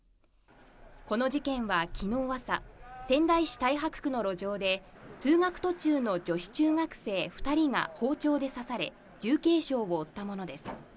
この事件は昨日朝、仙台市太白区の路上で通学途中の女子中学生２人が包丁で刺され重軽傷を負ったものです。